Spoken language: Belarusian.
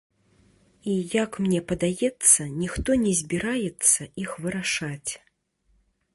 І, як мне падаецца, ніхто не збіраецца іх вырашаць.